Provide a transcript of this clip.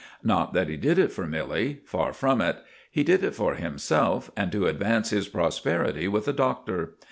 Not that he did it for Milly—far from it: he did it for himself, and to advance his prosperity with the Doctor.